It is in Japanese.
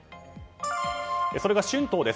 それが春闘です。